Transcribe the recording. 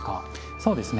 そうですね。